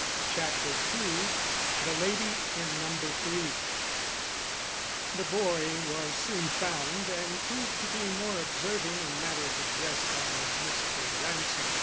CHAPTER II THE LADY IN NUMBER THREE The boy was soon found and proved to be more observing in matters of dress than Mr. Ransom.